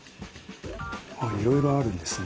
あっいろいろあるんですね。